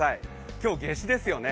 今日、夏至ですよね。